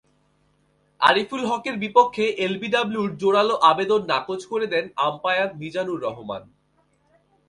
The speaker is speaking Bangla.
আরিফুল হকের বিপক্ষে এলবিডব্লুর জোরালো আবেদন নাকচ করে দেন আম্পায়ার মিজানুর রহমান।